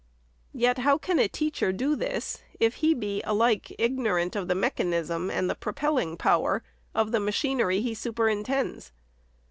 Yet how can a teacher do this, if he be alike ignorant of the mechanism and the propelling power of the machinery he superin tends